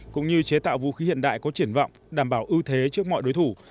cũng như chế tạo vũ khí hiện đại có triển vọng đảm bảo ưu thế trước mọi đối thủ